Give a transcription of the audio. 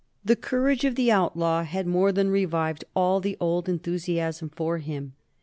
The courage of the outlaw had more than revived all the old enthusiasm for him.